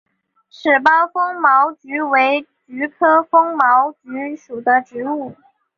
齿苞风毛菊为菊科风毛菊属的植物。